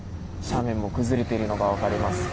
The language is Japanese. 斜面も崩れているのが分かります。